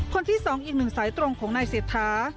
คนที่๒อีกหนึ่งสายตรงของนายเศรษฐา